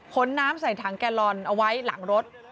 น้ำใส่ถังแกลลอนเอาไว้หลังรถ